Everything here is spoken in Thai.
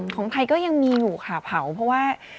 ของไทยก็ยังมีอยู่ค่ะเผาเพราะว่า